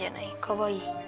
かわいい。